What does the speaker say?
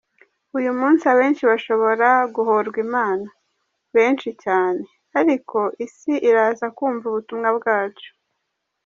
Uyu munsi abenshi bashobora guhorwa Imana, benshi cyane, ariko Isi iraza kumva ubutumwa bwacu.